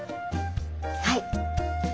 はい。